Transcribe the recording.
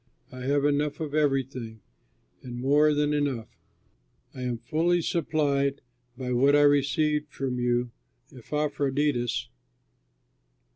I have enough of everything, and more than enough. I am fully supplied by what I received from you through Epaphroditus.